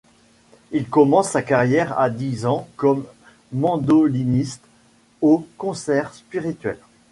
Il commence sa carrière à dix ans comme mandoliniste au Concert spirituel.